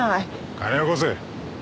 金よこせ。